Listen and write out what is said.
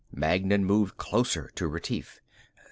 Magnan moved closer to Retief.